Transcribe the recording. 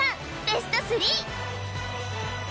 ベスト３！